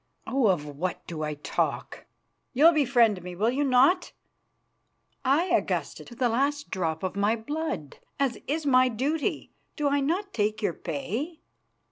Oh! of what do I talk? You'll befriend me, will you not?" "Aye, Augusta, to the last drop of my blood, as is my duty. Do I not take your pay?"